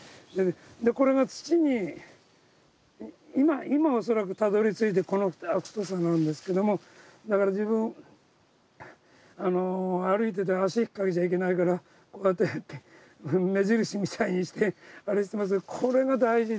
でこれが土に今恐らくたどりついてこの太さなんですけどもだから自分あの歩いてて足引っかけちゃいけないからこうやって目印みたいにしてあれしてますがこれが大事で。